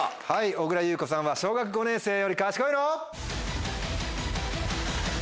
小倉優子さんは小学５年生より賢いの？